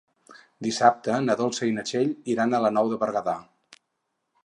Dissabte na Dolça i na Txell iran a la Nou de Berguedà.